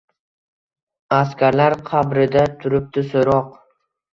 Askarlar qabrida turibdi so’roq